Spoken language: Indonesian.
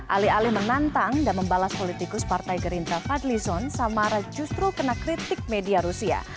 alih alih menantang dan membalas politikus partai gerindra fadlizon samara justru kena kritik media rusia